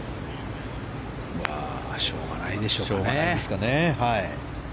しょうがないでしょうかね。